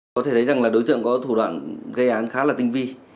có thể thấy rằng là đối tượng có thủ đoạn gây án khá là tinh vi